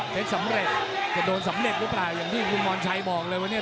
สำเร็จจะโดนสำเร็จหรือเปล่าอย่างที่คุณมรชัยบอกเลยว่าเนี่ย